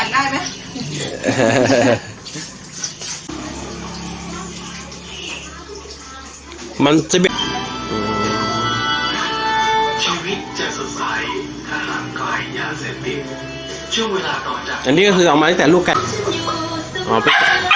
อันนี้ก็คือเอามาแต่ลูกแก่